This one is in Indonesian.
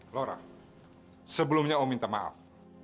laura sebelumnya om minta maaf